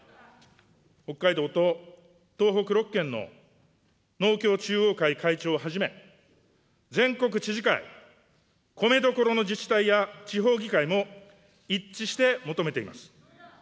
北海道と東北６県の農協中央会会長をはじめ、全国知事会、コメどころの自治体や地方議会も、一致して求めています。